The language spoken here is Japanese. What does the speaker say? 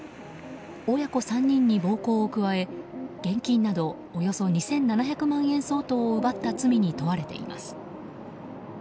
親子３人に暴行を加え、現金などおよそ２７００万円相当を奪った罪に問われています。